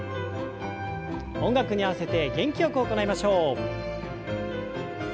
音楽に合わせて元気よく行いましょう。